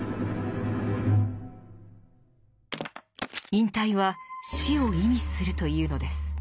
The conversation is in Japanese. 引退は死を意味するというのです。